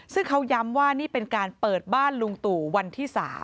ซึ่งเขาย้ำว่านี่เป็นการเปิดบ้านลุงตู่วันที่๓